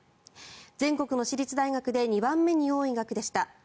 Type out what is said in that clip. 全国の私立大学で２番目に多い額でした。